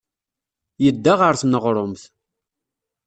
Yedda ɣer tneɣrumt.